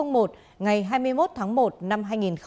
ngày hai mươi một tháng một năm hai nghìn một mươi ba